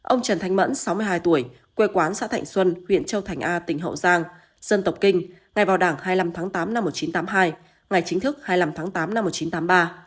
ông trần thanh mẫn sáu mươi hai tuổi quê quán xã thạnh xuân huyện châu thành a tỉnh hậu giang dân tộc kinh ngay vào đảng hai mươi năm tháng tám năm một nghìn chín trăm tám mươi hai ngày chính thức hai mươi năm tháng tám năm một nghìn chín trăm tám mươi ba